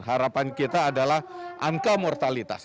harapan kita adalah angka mortalitas